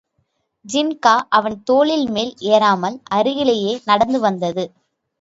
ஜின்கா அவன் தோளின்மேல் எறாமல் அருகிலேயே நடந்து வந்தது.